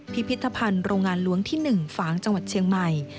พิพิธภัณฑ์โรงงานล้วงที่๑ฝางจังหวัดเชียงใหม่